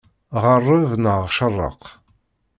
Ɣeṛṛeb, neɣ ceṛṛeq!